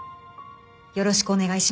よろしくお願いします。